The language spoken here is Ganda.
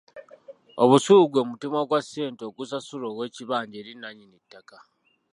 Obusuulu gwe mutemwa gwa ssente ogusasulwa ow'ekibanja eri nannyini ttaka.